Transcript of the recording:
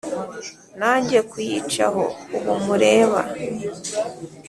Na njye kuyicaho ubu mureba